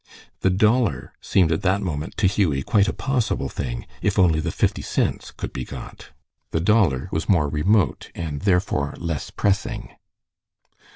The dollar seemed at that moment to Hughie quite a possible thing, if only the fifty cents could be got. The dollar was more remote, and therefore less pressing.